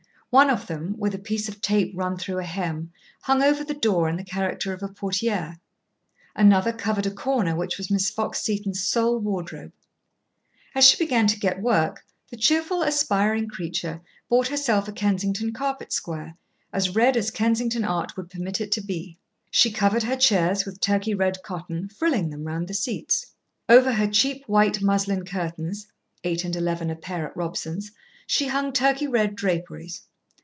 One of them, with a piece of tape run through a hem, hung over the door in the character of a portière; another covered a corner which was Miss Fox Seton's sole wardrobe. As she began to get work, the cheerful, aspiring creature bought herself a Kensington carpet square, as red as Kensington art would permit it to be. She covered her chairs with Turkey red cotton, frilling them round the seats. Over her cheap white muslin curtains (eight and eleven a pair at Robson's) she hung Turkey red draperies.